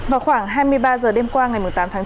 vào khoảng hai mươi ba h đêm qua ngày một mươi tám tháng chín